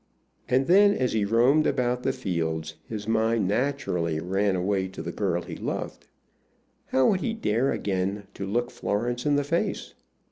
And then, as he roamed about the fields, his mind naturally ran away to the girl he loved. How would he dare again to look Florence in the face?